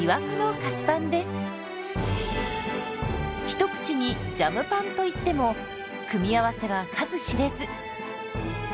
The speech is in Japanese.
一口に「ジャムパン」といっても組み合わせは数知れず。